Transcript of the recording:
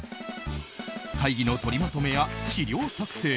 会議の取りまとめや資料作成